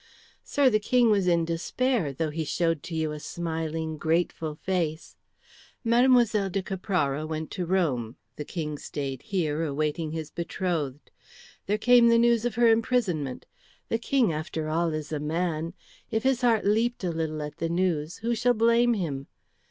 Sir, the King was in despair, though he showed to you a smiling, grateful face. Mlle. de Caprara went to Rome; the King stayed here awaiting his betrothed. There came the news of her imprisonment. The King, after all, is a man. If his heart leaped a little at the news, who shall blame him?